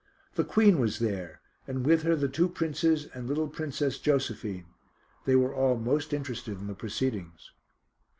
The Queen was there, and with her the two Princes and little Princess Josephine. They were all most interested in the proceedings.